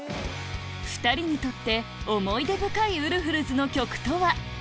２人にとって思い出深いウルフルズの曲とは？